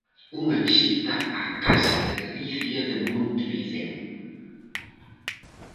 Unha visita á casa de Galicia de Montevideo.